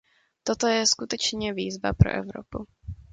Toto je skutečně výzva pro Evropu.